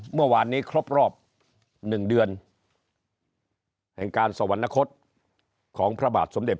เมื่อวานนี้ครบรอบ๑เดือนแห่งการสวรรณคตของพระบาทสมเด็จ